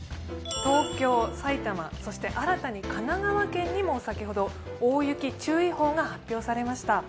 東京、埼玉、そして新たに神奈川県にも先ほど大雪注意報が発表されました。